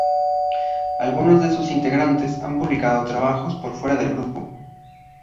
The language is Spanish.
Algunos de sus integrantes han publicado trabajos por fuera del grupo.